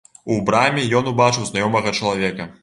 У браме ён убачыў знаёмага чалавека.